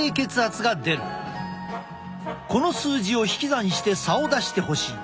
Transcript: この数字を引き算して差を出してほしい。